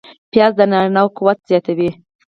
پیاز د نارینه و قوت زیاتوي